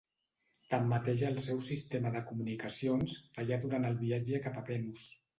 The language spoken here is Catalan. Tanmateix el seu sistema de comunicacions fallà durant el viatge cap a Venus.